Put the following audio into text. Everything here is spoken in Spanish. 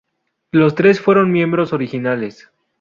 Los tres fueron miembros originales.